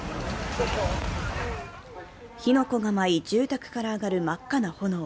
火の粉が舞い、住宅から上がる真っ赤な炎。